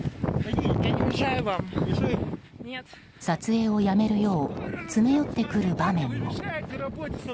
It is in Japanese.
撮影をやめるよう詰め寄ってくる場面も。